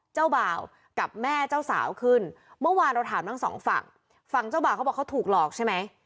เจ้าบ่าวกับแม่เจ้าสาวขึ้นเมื่อวานเราถามทั้งสองฝั่งฝั่งเจ้าบ่าวเขาบอกเขาถูกหลอกใช่ไหม